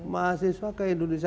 mahasiswa ke indonesia